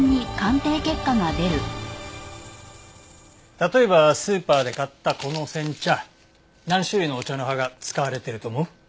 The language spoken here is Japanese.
例えばスーパーで買ったこの煎茶何種類のお茶の葉が使われてると思う？